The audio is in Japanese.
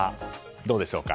どうでしょうか。